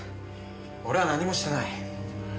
俺は何もしてない。